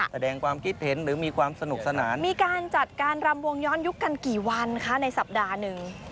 แสดงความคิดเห็นหรือมีความสนุกสนานมีการจัดการรำวงย้อนยุคกันกี่วันคะในสัปดาห์หนึ่ง